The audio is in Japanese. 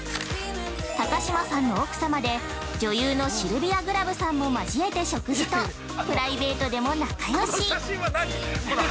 高嶋さんの奥様で女優のシルビア・グラブさんも交えて食事とプライベートでも仲よし。